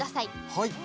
はい。